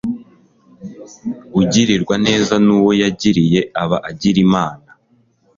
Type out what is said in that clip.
ugirirwa neza n'uwo yayigiriye aba agira imana